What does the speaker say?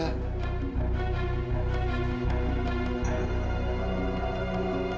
kamu tidak melindungi dia